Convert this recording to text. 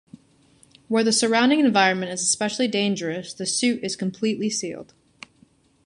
Where the surrounding environment is especially dangerous the suit is completely sealed.